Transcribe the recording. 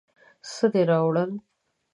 څه دې راوړل؟